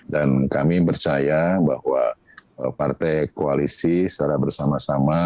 dan kami percaya bahwa partai koalisi secara bersama sama